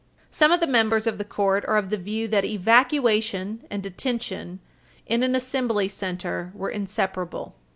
Some of the members of the Court are of the view that evacuation and detention in an Assembly Center were inseparable.